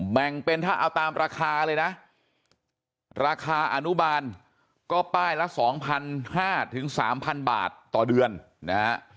แบ่งเป็นถ้าเอาตามราคาเลยนะราคาอนุบาลก็ป้ายละ๒๕๐๐๓๐๐บาทต่อเดือนนะฮะ